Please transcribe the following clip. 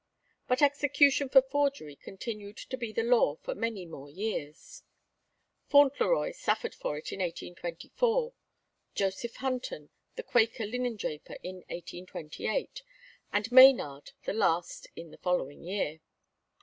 But execution for forgery continued to be the law for many more years. Fauntleroy suffered for it in 1824; Joseph Hunton, the Quaker linen draper, in 1828; and Maynard, the last, in the following year.